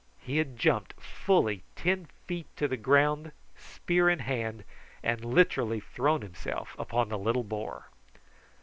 He had jumped fully ten feet to the ground spear in hand, and literally thrown himself upon the little boar.